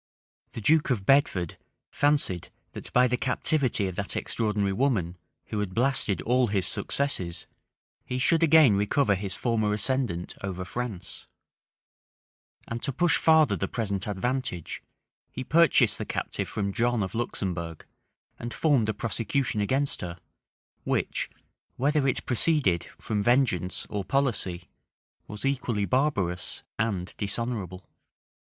The duke of Bedford fancied that, by the captivity of that extraordinary woman, who had blasted all his successes, he should again recover his former ascendant over France; and to push farther the present advantage, he purchased the captive from John of Luxembourg, and formed a prosecution against her, which, whether it proceeded from vengeance or policy, was equally barbarous and dishonorable.